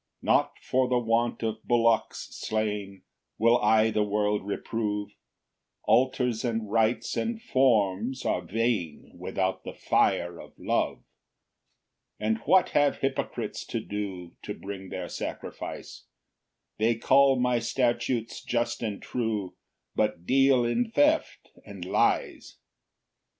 2 "Not for the want of bullocks slain "Will I the world reprove; "Altars and rites and forms are vain, "Without the fire of love. 3 "And what have hypocrites to do "To bring their sacrifice? "They call my statutes just and true, "But deal in theft and lies.